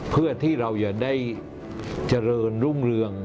เพื่อที่เราจะได้เจริญรุ่งเรือง